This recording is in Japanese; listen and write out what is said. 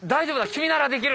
君ならできる！